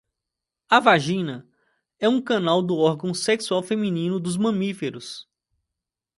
A vagina é um canal do órgão sexual feminino dos mamíferos